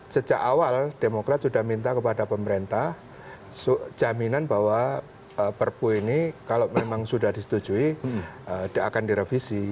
sejak awal demokrat sudah minta kepada pemerintah jaminan bahwa perpu ini kalau memang sudah disetujui akan direvisi